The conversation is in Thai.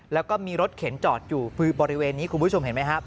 แล้วก็มีรถเข็นจอดอยู่คือบริเวณนี้คุณผู้ชมเห็นไหมครับ